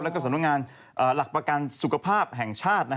แล้วก็สำนักงานหลักประกันสุขภาพแห่งชาติ